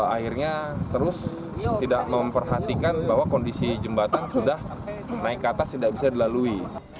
akhirnya terus tidak memperhatikan bahwa kondisi jembatan sudah naik ke atas tidak bisa dilalui